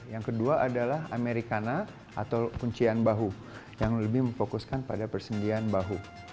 yang kedua adalah americana atau kuncian bahu yang lebih memfokuskan pada persendian bahu